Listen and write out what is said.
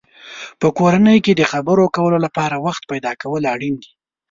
په کورنۍ کې د خبرو کولو لپاره وخت پیدا کول اړین دی.